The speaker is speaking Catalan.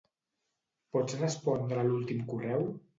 Pots respondre l'últim correu?